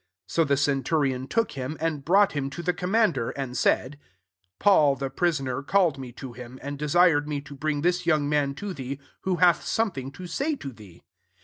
18 So the centU" rion took him, and brought him to the commander, and said, *^ Paul, the prisoner, called me to him, and desired me to bring this young man to thee, who hath something to say to thee."